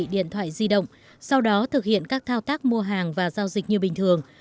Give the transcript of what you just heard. điện thoại di động sau đó thực hiện các thao tác mua hàng và giao dịch như bình thường